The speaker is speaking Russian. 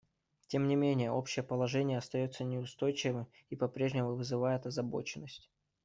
Тем не менее, общее положение остается неустойчивым и по-прежнему вызывает озабоченность.